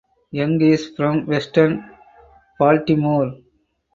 Young is from Western Baltimore.